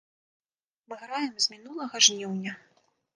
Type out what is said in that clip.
Мы граем з мінулага жніўня.